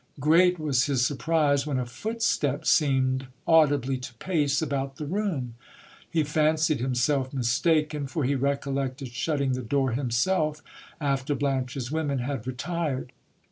Great was his surprise when a footstep seemed audibly to pace about the room. He fancied himself mistaken ; for he recollected shutting the door himself after Blanche's women had retired.